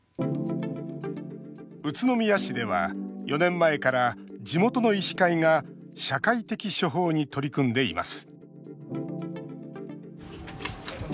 宇都宮市では４年前から地元の医師会が社会的処方に取り組んでいます。